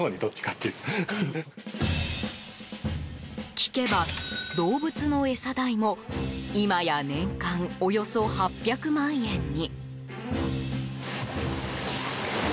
聞けば、動物の餌代も今や年間、およそ８００万円に。